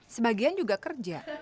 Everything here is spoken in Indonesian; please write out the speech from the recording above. sebagian juga kerja